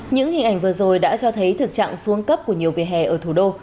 những hình ảnh vừa rồi đã cho thấy thực trạng xuống cấp của nhiều vỉa hè ở thủ đô